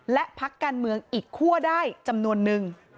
และพักการเมืองอีกคั่วได้จำนวนนึง